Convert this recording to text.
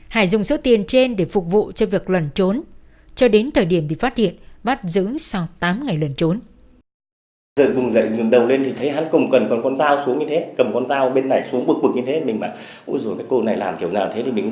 hải dùng số tiền trên để phục vụ cho việc lẩn trốn cho đến thời điểm bị phát hiện bắt giữ sau tám ngày lần trốn